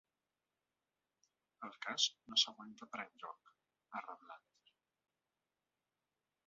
El cas no s’aguanta per enlloc, ha reblat.